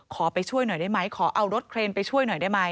ไปช่วยหน่อยได้ไหมขอเอารถเครนไปช่วยหน่อยได้ไหม